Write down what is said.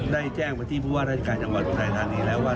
ได้แจ้งพอที่พูดว่ารัฐกาลจังหวัดตรายทานีแล้วว่า